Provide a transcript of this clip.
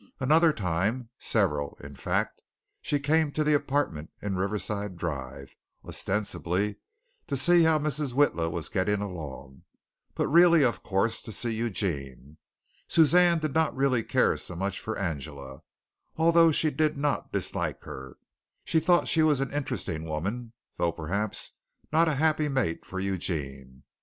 Another time several, in fact she came to the apartment in Riverside Drive, ostensibly to see how Mrs. Witla was getting along, but really, of course, to see Eugene. Suzanne did not really care so much for Angela, although she did not dislike her. She thought she was an interesting woman, though perhaps not a happy mate for Eugene.